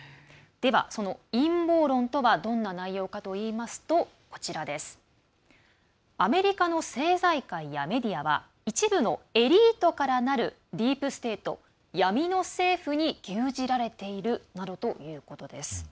では、その陰謀論とはどんな内容かといいますとアメリカの政財界やメディアは一部のエリートからなるディープ・ステート、闇の政府に牛耳られているなどということです。